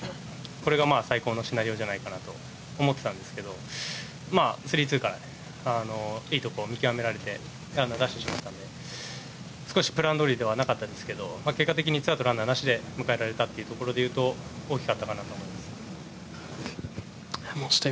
これが最高のシナリオじゃないかなと思ってたんですが３−２からいいところを見極められてランナーを出してしまったので少しプランどおりではなかったですけど結果的に２アウト、ランナーなしで迎えられたところで言うと大きかったなと思います。